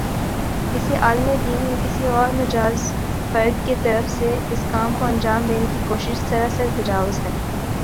کسی عالمِ دین یا کسی اور غیر مجاز فرد کی طرف سے اس کام کو انجام دینے کی کوشش سراسر تجاوز ہے